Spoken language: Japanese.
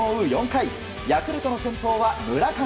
４回ヤクルトの先頭は村上。